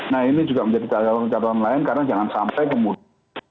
nah ini juga menjadi catatan catatan lain karena jangan sampai kemudian